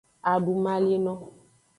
Adumalino.